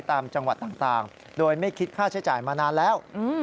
ตามจังหวัดต่างโดยไม่คิดค่าใช้จ่ายมานานแล้ว